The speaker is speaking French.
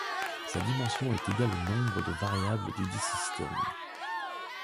Sa dimension est égale au nombre de variables dudit système.